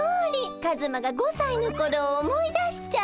カズマが５さいのころを思い出しちゃう。